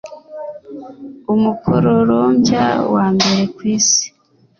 umukororombya wa mbere kwisi